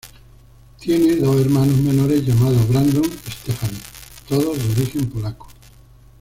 Tiene dos hermanos menores llamados Brandon y Stephanie, todos de origen polaco.